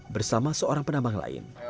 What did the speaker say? bersama seorang penambang lain